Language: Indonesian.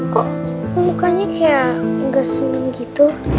kok mukanya kayak gak senang gitu